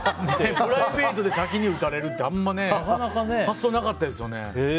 プライベートで打たれるってあんまり発想なかったですね。